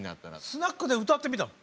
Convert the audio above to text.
スナックで歌ってみたの？